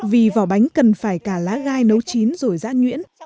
vì vỏ bánh cần phải cả lá gai nấu chín rồi giã nhuyễn